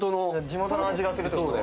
地元の味がするってこと？